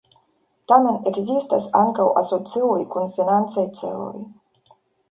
Tamen ekzistas ankaŭ asocioj kun financaj celoj.